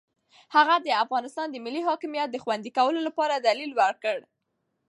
هغه د افغانستان د ملي حاکمیت د خوندي کولو لپاره دلیل ورکړ.